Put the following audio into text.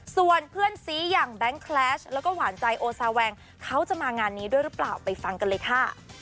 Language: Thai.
ส่วนเพื่อนซีอย่างแบงค์แคลชแล้วก็หวานใจโอซาแวงเขาจะมางานนี้ด้วยหรือเปล่าไปฟังกันเลยค่ะ